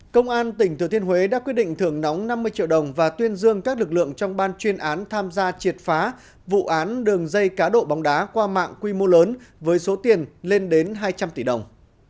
công an tỉnh thừa thiên huế đã quyết định thưởng nóng năm mươi triệu đồng và tuyên dương các lực lượng trong ban chuyên án tham gia triệt phá vụ án đường dây cá độ bóng đá qua mạng quy mô lớn với số tiền lên đến hai trăm linh tỷ đồng